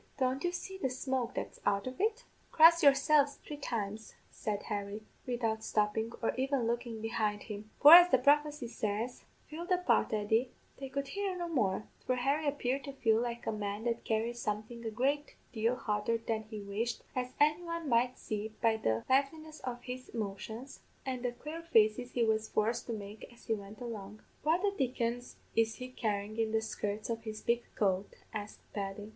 Don't you see the smoke that's out of it?' "'Cross yourselves three times,' said Harry, widout stoppin', or even lookin' behind him, 'for, as the prophecy says Fill the pot, Eddy ' They could hear no more, for Harry appeared to feel like a man that carried something a great deal hotter than he wished, as anyone might see by the liveliness of his motions, and the quare faces he was forced to make as he went along. "'What the dickens is he carryin' in the skirts of his big coat?' asked Paddy.